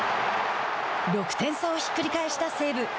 ６点差をひっくり返した西武。